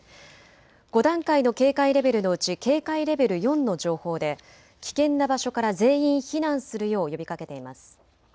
５段階の警戒レベルのうち警戒レベル４の情報で危険な場所から全員避難するよう呼びかけています。